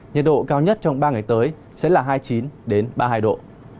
nhiệt độ cao nhất trong ba ngày tới sẽ là hai mươi chín ba mươi hai độ